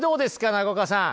中岡さん。